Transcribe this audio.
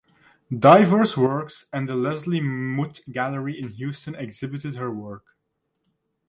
Diverse Works and the Leslie Muth Gallery in Houston exhibited her work.